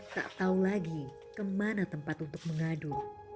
tak tahu lagi kemana tempat untuk mengadu